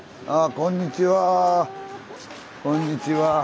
ああこんにちは。